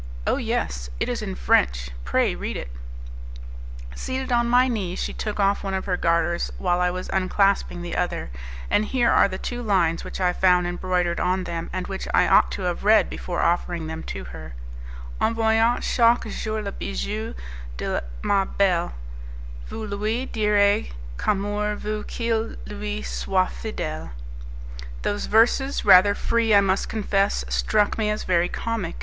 "Oh, yes! it is in French; pray read it." Seated on my knees, she took off one of her garters while I was unclasping the other, and here are the two lines which I found embroidered on them, and which I ought to have read before offering them to her: 'En voyant chaque jour le bijou de ma belle, Vous lui direz qu'Amour veut qu'il lui soit fidele.' Those verses, rather free I must confess, struck me as very comic.